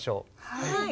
はい。